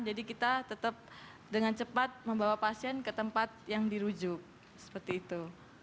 jadi kita tetap dengan cepat membawa pasien ke tempat yang dirujuk seperti itu